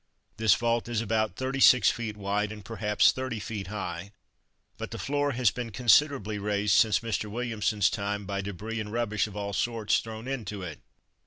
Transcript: This vault is about thirty six feet wide and perhaps thirty feet high, but the floor has been considerably raised since Mr. Williamson's time by debris and rubbish of all sorts thrown into it.